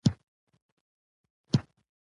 چرګان د شنو ساحو سره مینه لري.